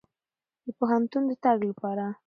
د پوهنتون د تګ لپاره.